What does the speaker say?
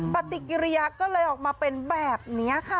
ปฏิกิริยาก็เลยออกมาเป็นแบบนี้ค่ะ